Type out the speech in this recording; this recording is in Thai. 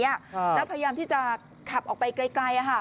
แล้วพยายามที่จะขับออกไปไกล